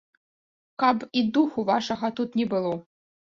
Каб і духу вашага тут не было.